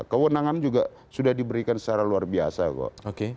kewenangan juga sudah diberikan secara luar biasa kok